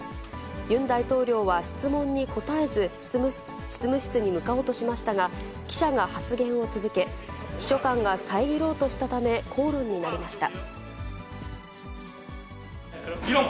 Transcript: ユン大統領は質問に答えず執務室に向かおうとしましたが、記者が発言を続け、秘書官が遮ろうとしたため、口論になりました。